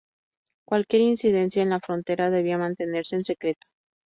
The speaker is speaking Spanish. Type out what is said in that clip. Cualquier incidencia en la frontera debía mantenerse en secreto.